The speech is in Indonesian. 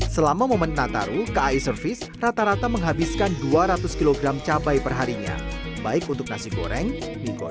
selama momen nataru kai servis rata rata menghabiskan dua ratus kg cabai perharinya baik untuk nasi goreng mie goreng